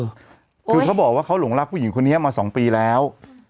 คือเขาบอกว่าเขาหลงรักผู้หญิงคนนี้มา๒ปีแล้ว